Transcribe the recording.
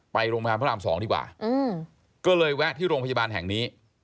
ไปโรงพยาบาลพระราม๒ดีกว่าก็เลยแวะที่โรงพยาบาลแห่งนี้